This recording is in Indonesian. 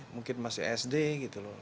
mungkin masih sd gitu loh